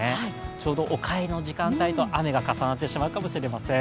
ちょうどお帰りの時間帯と雨が重なってしまうかもしれません。